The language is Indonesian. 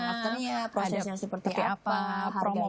afternya prosesnya seperti apa harga berapa